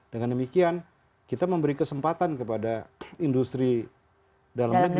dengan demikian kita memberi kesempatan kepada industri dalam negeri